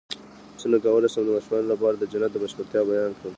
څنګه کولی شم د ماشومانو لپاره د جنت د بشپړتیا بیان کړم